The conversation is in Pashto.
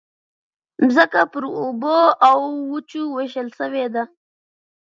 مځکه پر اوبو او وچو وېشل شوې ده.